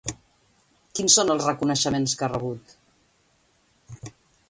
Quins són els reconeixements que ha rebut?